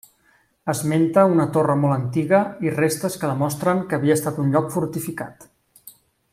Esmenta una torre molt antiga i restes que demostren que havia estat un lloc fortificat.